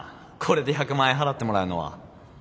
これで１００万円払ってもらうのは。